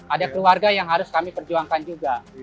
ada keluarga yang harus kami perjuangkan juga